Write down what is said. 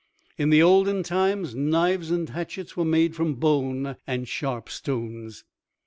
In the olden times, knives and hatchets were made from bone and sharp stones.